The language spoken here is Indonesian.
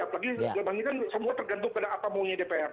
apalagi gelombang ini kan semua tergantung pada apa maunya dpr